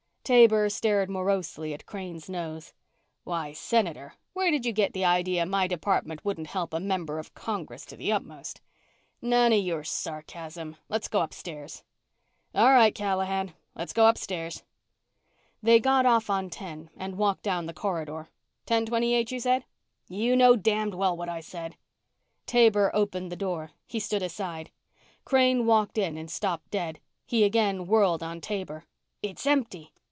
Taber stared morosely at Crane's nose. "Why, Senator, where did you get the idea my department wouldn't help a member of Congress to the utmost?" "None of your sarcasm. Let's go upstairs." "All right, Callahan. Let's go upstairs." They got off on ten and walked down the corridor. "Ten twenty eight, you said?" "You know damned well what I said." Taber opened the door. He stood aside. Crane walked in and stopped dead. He again whirled on Crane. "It's empty."